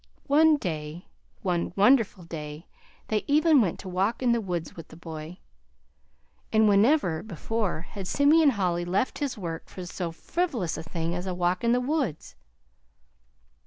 One day one wonderful day they even went to walk in the woods with the boy; and whenever before had Simeon Holly left his work for so frivolous a thing as a walk in the woods!